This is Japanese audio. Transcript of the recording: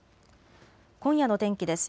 今夜の天気です。